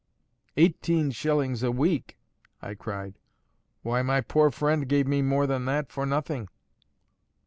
"Eighteen shillings a week!" I cried. "Why, my poor friend gave me more than that for nothing!"